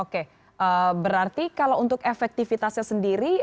oke berarti kalau untuk efektivitasnya sendiri